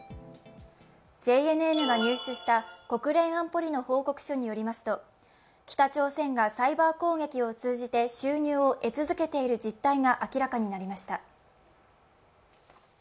ＪＮＮが入手した国連安保理の報告書によりますと北朝鮮がサイバー攻撃を通じて収入を得続けている実態が明らかになりました。